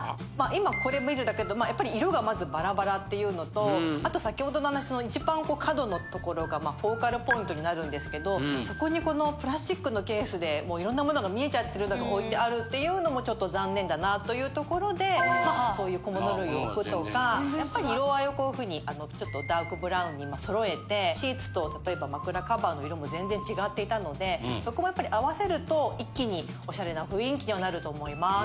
今これ見るだけでも色がまずバラバラっていうのとあと先ほどの話の一番角のところがフォーカルポイントになるんですけどそこにこのプラスチックのケースでもういろんなものが見えちゃってるのが置いてあるっていうのもちょっと残念だなというところでまあそういう小物類を置くとかやっぱり色合いをこういうふうにあのちょっとダークブラウンに揃えてシーツと例えば枕カバーの色も全然違っていたのでそこもやっぱり合わせると一気にオシャレな雰囲気にはなると思います。